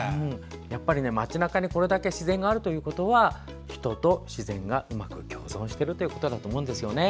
やっぱり町なかにこれだけ自然があるということは人と自然がうまく共存しているということだと思うんですよね。